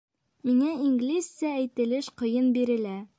Миңә инглизсә әйтелеш ҡыйын бирелә